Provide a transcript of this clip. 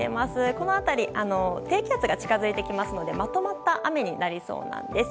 この辺り低気圧が近づいているのでまとまった雨になりそうなんです。